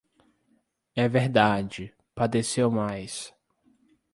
É verdade, padeceu mais.